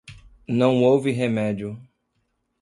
Não houve remédio.